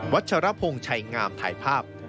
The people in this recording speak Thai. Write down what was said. ชรพงศ์ชัยงามถ่ายภาพ